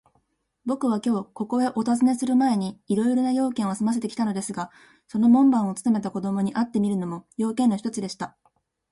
ぼくはきょう、ここへおたずねするまえに、いろいろな用件をすませてきたのですが、その門番をつとめた子どもに会ってみるのも、用件の一つでした。